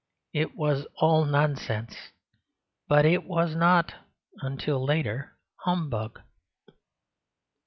It was all nonsense; but it was not (until later) all humbug.